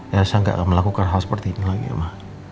elsa gak akan melakukan hal seperti ini lagi ya ma